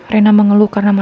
sampai ketemu sama dia